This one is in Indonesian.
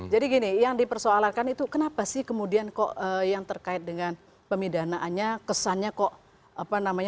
jadi gini yang dipersoalankan itu kenapa sih kemudian kok yang terkait dengan pemidanaannya kesannya kok apa namanya